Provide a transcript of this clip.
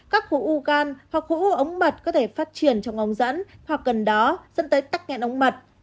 các khu u gan hoặc khu u ống mật có thể phát triển trong ống dẫn hoặc gần đó dẫn tới tắc nghẹn ống mật